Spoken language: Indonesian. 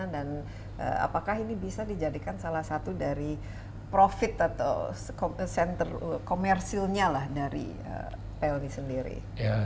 dan apakah ini bisa dijadikan salah satu dari profit atau komersilnya dari pak elvin sendiri